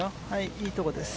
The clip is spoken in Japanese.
いいところです。